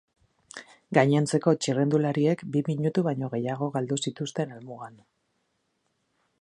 Gainontzeko txirrindulariek bi minutu baino gehiago galdu zituzten helmugan.